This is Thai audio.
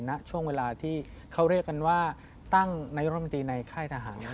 ณช่วงเวลาที่เขาเรียกกันว่าตั้งนายรมนตรีในค่ายทหาร